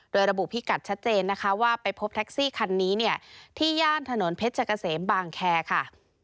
โดยระบุพิกัดชัดเจนนะคะว่าไปพบแท็กซี่คันนี้เนี่ยที่ย่านถนนเพชรเกษมบางแคร์ค่ะ